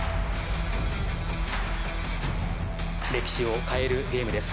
歴史を変えるゲームです。